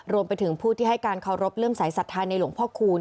รวมไปถึงผู้ที่ให้การเคารพเลื่อมสายศรัทธาในหลวงพ่อคูณ